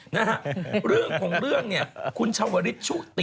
นะฮะของเรื่องเนี่ยคุณชาวภิษฐ์ชุติ